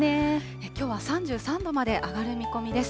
きょうは３３度まで上がる見込みです。